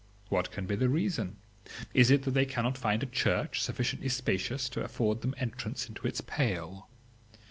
What can be the reason? Is it that they cannot find a church sufficiently spacious to afford them entrance into its pale?